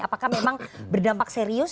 apakah memang berdampak serius